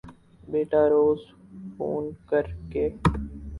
بیٹا روز فون کر کے